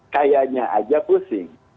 kayaknya aja pusing